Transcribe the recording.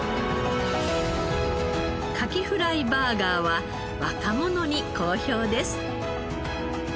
カキフライバーガーは若者に好評です。